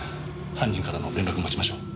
犯人からの連絡を待ちましょう。